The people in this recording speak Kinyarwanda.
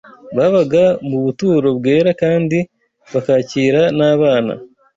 babaga mu buturo bwera kandi bakakira n’abana